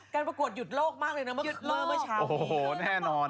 การประกวดหยุดโลกมากเลยนะเมื่อเช้านี้โอ้โหแน่นอน